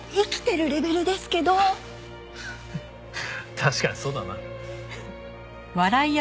確かにそうだな。